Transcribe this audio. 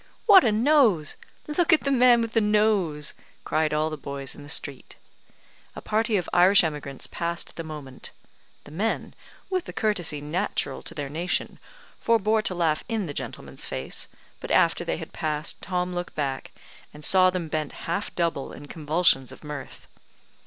"What a nose! Look at the man with the nose!" cried all the boys in the street. A party of Irish emigrants passed at the moment. The men, with the courtesy natural to their nation, forbore to laugh in the gentleman's face; but after they had passed, Tom looked back, and saw them bent half double in convulsions of mirth.